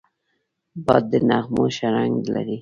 باد د نغمو شرنګ لري